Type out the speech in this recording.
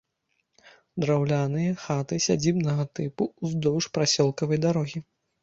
Драўляныя хаты сядзібнага тыпу ўздоўж прасёлкавай дарогі.